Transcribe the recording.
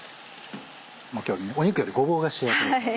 今日は肉よりごぼうが主役ですから。